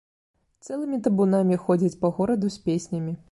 Цэлымі табунамі ходзяць па гораду з песнямі.